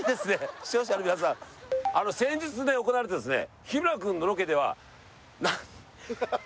視聴者の皆さん先日行われたですね